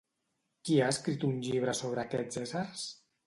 Qui ha escrit un llibre sobre aquests éssers?